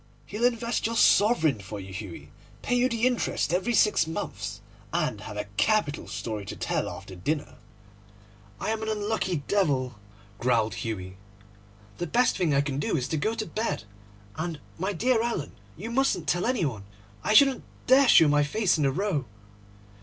He'll invest your sovereign for you, Hughie, pay you the interest every six months, and have a capital story to tell after dinner.' 'I am an unlucky devil,' growled Hughie. 'The best thing I can do is to go to bed; and, my dear Alan, you mustn't tell any one. I shouldn't dare show my face in the Row.